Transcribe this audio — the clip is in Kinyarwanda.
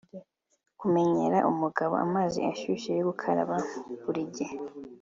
Kumenyera umugabo amazi ashyushye yo gukaraba buri gihe